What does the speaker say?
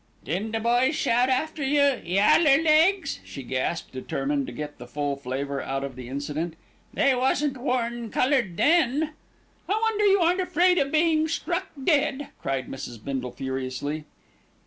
"Didn't the boys shout after you 'yaller legs'?" she gasped, determined to get the full flavour out of the incident. "They wasn't worn coloured then." "I wonder you aren't afraid of being struck dead," cried Mrs. Bindle furiously.